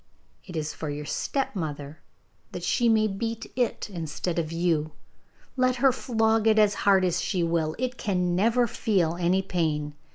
It is for your stepmother, that she may beat it instead of you. Let her flog it as hard as she will, it can never feel any pain.